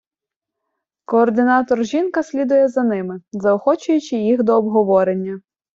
Координатор - жінка слідує за ними, заохочуючи їх до обговорення.